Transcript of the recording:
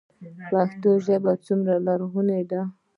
پښتو ژبه څومره لرغونې ده؟